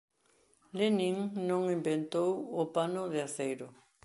Lenin non inventou o pano de aceiro.